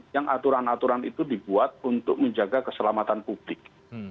yang aturan aturan itu dibuat untuk menjaga keselamatan publik